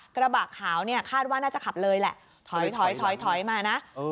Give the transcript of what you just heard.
กระบะขาวเนี้ยคาดว่าน่าจะขับเลยแหละถอยถอยถอยถอยมาน่ะเออ